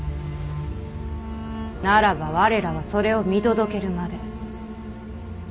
ならば我らはそれを見届けるまで。